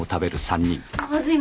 まずい。